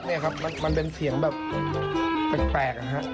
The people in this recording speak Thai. นี่ครับมันเป็นเสียงแบบแปลกนะฮะ